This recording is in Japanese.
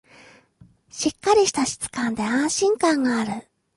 しっかりした質感で安心感がある